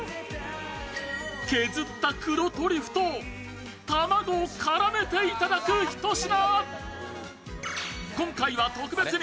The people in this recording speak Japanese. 削った黒トリュフと卵を絡めていただくひと品。